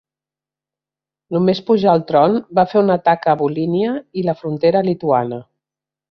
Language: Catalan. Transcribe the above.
Només pujar al tron va fer un atac a Volínia i la frontera lituana.